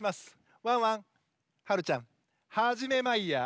ワンワンはるちゃんはじめマイヤー。